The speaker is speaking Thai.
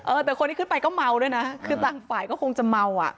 เออแต่คนที่ขึ้นไปก็เมาด้วยนะคือต่างฝ่ายก็คงจะเมาอ่ะ